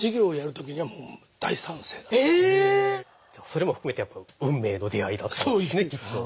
それも含めてやっぱり運命の出会いだったんですねきっと。